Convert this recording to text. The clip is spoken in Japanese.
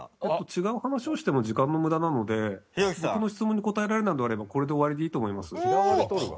違う話をしても時間の無駄なので僕の質問に答えられないのであればこれで終わりでいいと思います。